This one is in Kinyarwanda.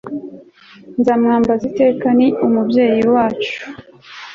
nzamwambaza iteka, ni umubyeyi wacu